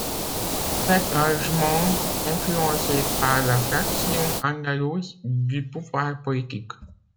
Elle est largement influencée par la fraction andalouse du pouvoir politique.